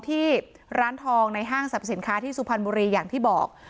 ที่ร้านทองในห้างสรรพสินค้าที่สุพรรณบุรีอย่างที่บอก